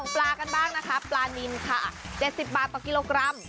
ปลาทูนึ่งค่ะ๑๖๐บาทต่อกิโลกรัม